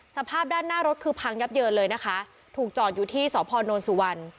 สภาพด้านหน้ารถคือพังยับเยินเลยนะคะถูกจอดอยู่ที่สพนสุวรรณ